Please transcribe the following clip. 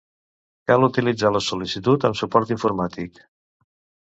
Cal utilitzar la sol·licitud amb suport informàtic.